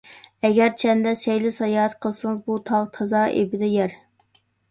ئەگەرچەندە سەيلە - ساياھەت قىلسىڭىز، بۇ تاغ تازا ئېپىدە يەر.